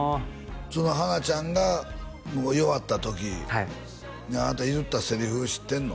そのハナちゃんが弱った時にあなた言ったセリフ知ってんの？